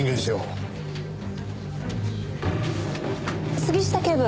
杉下警部